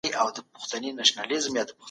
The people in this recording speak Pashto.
ایا تاسو د فرضیو په طرحه کولو پوهیږئ؟